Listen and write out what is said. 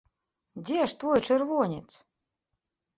Дзе ж твой чырвонец?